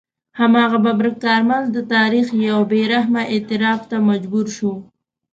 هماغه ببرک کارمل د تاریخ یو بې رحمه اعتراف ته مجبور شو.